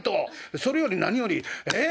それより何よりええ？